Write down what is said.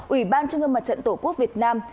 ủy ban trung ương mặt trận tổ quốc việt nam